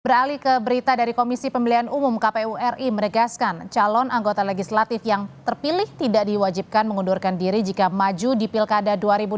beralih ke berita dari komisi pemilihan umum kpu ri menegaskan calon anggota legislatif yang terpilih tidak diwajibkan mengundurkan diri jika maju di pilkada dua ribu dua puluh